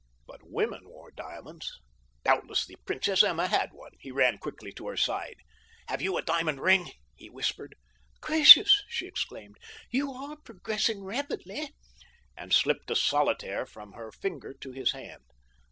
But women wore diamonds. Doubtless the Princess Emma had one. He ran quickly to her side. "Have you a diamond ring?" he whispered. "Gracious!" she exclaimed, "you are progressing rapidly," and slipped a solitaire from her finger to his hand.